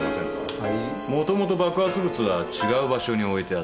もともと爆発物は違う場所に置いてあった。